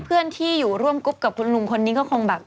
เพื่อนที่อยู่ร่วมกรุ๊ปกับคุณลุงคนนี้ก็คงแบบ